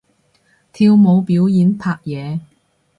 跳舞表演拍嘢